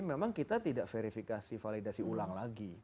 memang kita tidak verifikasi validasi ulang lagi